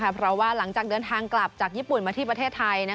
เพราะว่าหลังจากเดินทางกลับจากญี่ปุ่นมาที่ประเทศไทย